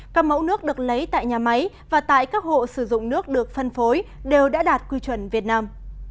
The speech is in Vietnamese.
các mẫu nước được lấy tại nhà máy và tại các hộ sử dụng nước được phân phối đều đã đạt quy chuẩn việt nam